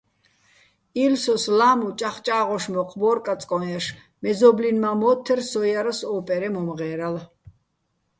ი́ლსოს ლა́მუ ჭაღჭა́ღოშ მოჴ ბო́რ კაწკო́ჼ ჲაშ, მეზო́ბლინ მა́ მო́თთერ, სო ჲარასო̆ ო́პერეჼ მომღე́რალ.